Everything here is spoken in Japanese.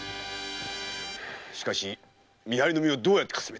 しかし見張りの目をどうやってかすめた？